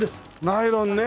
ナイロンね。